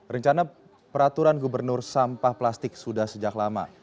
rencana peraturan gubernur sampah plastik sudah sejak lama